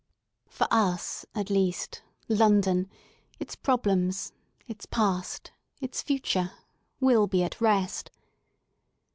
For us, at least, Lon don J its problems, its past, its future, wilt be at rest.